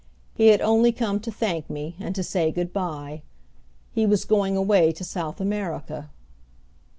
He had only come to thank me and to say good by. He was going away to South America.